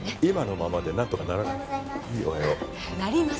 今のままで何とかならない？